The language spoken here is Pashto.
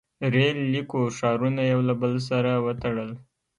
• ریل لیکو ښارونه یو له بل سره وتړل.